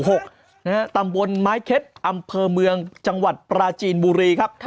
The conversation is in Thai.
นะคะตามบนม้ายเข็ดอำเภอเมืองจังหวัดประจีนบุรีครับ